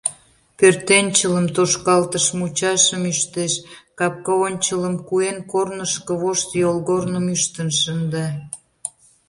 Пӧртӧнчылым, тошкалтыш мучашым ӱштеш, капка ончылым куэн, корнышко вошт йолгорным ӱштын шында.